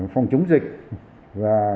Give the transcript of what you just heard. phòng chống dịch và